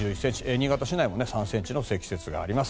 新潟市内も３ｃｍの積雪があります。